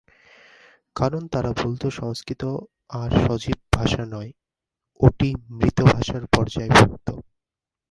কারণ তারা বলত সংস্কৃত আর সজীব ভাষা নয়, ওটি মৃতভাষার পর্যায়ভুক্ত।